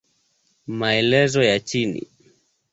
Maelezo ya chini